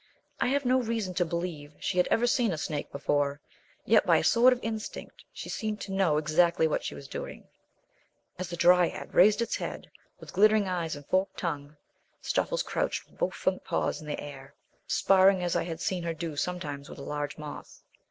I have no reason to believe she had ever seen a snake before, yet by a sort of instinct she seemed to know exactly what she was doing. As the Dryad raised its head, with glittering eyes and forked tongue, Stoffles crouched with both front paws in the air, sparring as I had seen her do sometimes with a large moth.